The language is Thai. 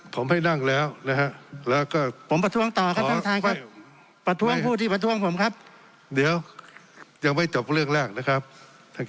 เข้าใจจะรับครับท่าน